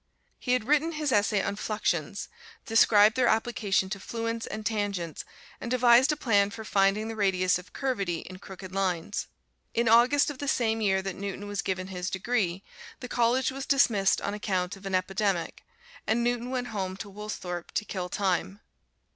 He had written his essay on fluxions, described their application to fluents and tangents, and devised a plan for finding the radius of curvity in crooked lines. In August of the same year that Newton was given his degree, the college was dismissed on account of an epidemic, and Newton went home to Woolsthorpe to kill time.